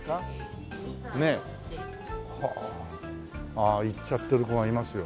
ああいっちゃってる子がいますよ。